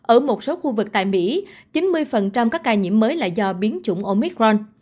ở một số khu vực tại mỹ chín mươi các ca nhiễm mới là do biến chủng omicron